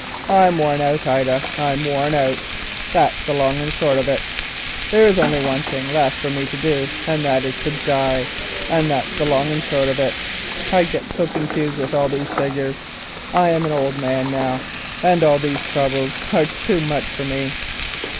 I'm worn out, Ida, I'm worn out! There is only one thing left for me to do, and that is to die, and that's the long and short of it. I get so confused with these figures. I'm an old man now, and all these troubles are too much for me."